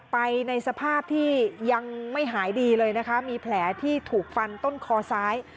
ไปในสภาพที่ยังไม่หายดีเลยนะคะมีแผลที่ถูกฟันต้นคอซ้าย